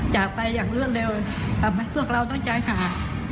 จากไปอย่างเลือดเร็วแต่ไม่เสือกเราต้องจ่ายขาด